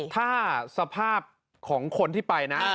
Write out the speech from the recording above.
ถ้าสภาพของคนที่ไปนะ